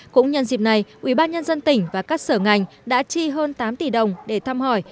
cũng nhân dịp này ubnd tỉnh và các sở ngành đã chi hơn tám tỷ đồng để thăm hỏi